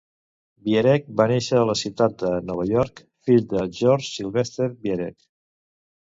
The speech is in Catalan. Viereck va néixer a la ciutat de Nova York, fill de George Sylvester Viereck.